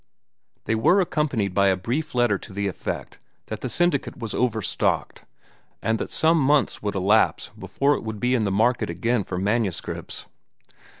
They were accompanied by a brief letter to the effect that the syndicate was overstocked, and that some months would elapse before it would be in the market again for manuscripts.